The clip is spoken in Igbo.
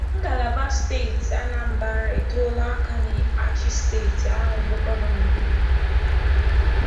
ngalaba steeti Anambra etoola aka na-achị steeti ahụ bụ Gọvanọ Willie Obianọ